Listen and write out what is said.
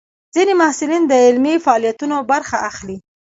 ځینې محصلین د علمي فعالیتونو برخه اخلي.